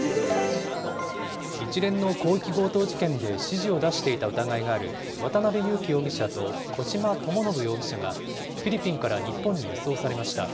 一連の広域強盗事件で指示を出していた疑いがある渡邉優樹容疑者と小島智信容疑者が、フィリピンから日本に移送されました。